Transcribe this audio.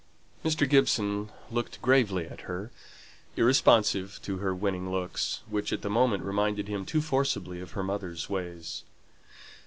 Mr. Gibson looked gravely at her, irresponsive to her winning looks, which at the moment reminded him too forcibly of her mother's ways.